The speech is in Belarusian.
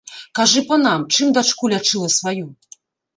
Кажы панам, чым дачку лячыла сваю?